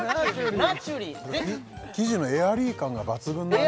「ナチュリー」生地のエアリー感が抜群だね